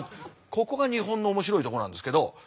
ここが日本の面白いところなんですけど。